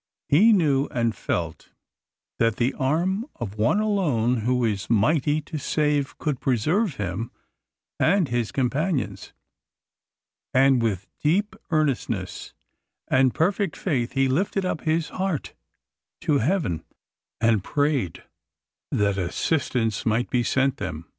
He knew and felt that the arm of One alone who is mighty to save could preserve him and his companions; and with deep earnestness and perfect faith he lifted up his heart to heaven, and prayed that assistance might be sent them.